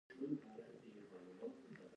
لکه پۀ مذهبي تعليماتو مشتمله دا چاربېته